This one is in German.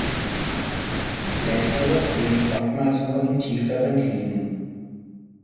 Letzteres gelingt oftmals nur in tieferen Ligen.